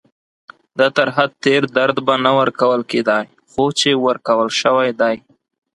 دا تر حد تېر درد به نه ورکول کېدای، خو چې ورکول شوی دی.